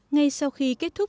ngay sau khi kết thúc